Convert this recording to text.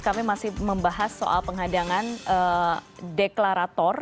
kami masih membahas soal penghadangan deklarator